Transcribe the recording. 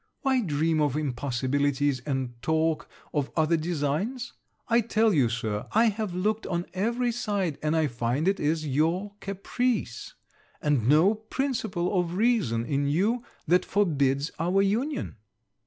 Why dream of impossibilities, and talk of other designs? I tell you, Sir, I have looked on every side, and I find it is your caprice, and no principle of reason in you, that forbids our union.'